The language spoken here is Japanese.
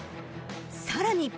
［さらに］